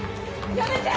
やめて！